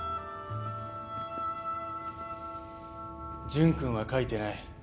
・潤君は書いてない。